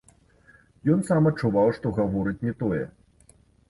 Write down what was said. Ён сам адчуваў, што гаворыць не тое.